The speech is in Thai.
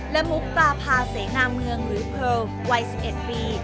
และมุกปลาพาเสงามเมืองหรือเผลอวัย๑๑ปี